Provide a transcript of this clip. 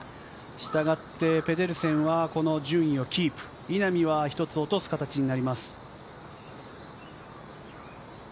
したがって、ペデルセンは順位をキープ、稲見は１つ落とす形になります。